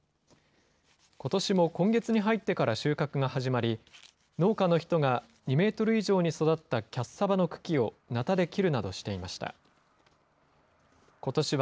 ことしも今月に入ってから収穫が始まり、農家の人が２メートル以上に育ったキャッサバの茎をなたで切るなどしていました。